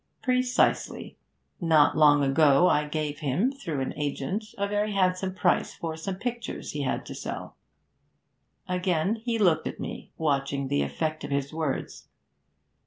'Precisely. Not long ago I gave him, through an agent, a very handsome price for some pictures he had to sell.' Again he looked at me, watching the effect of his words.